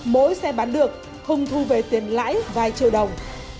mỗi xe bán được hùng thu về tiền lãi vài triệu đồng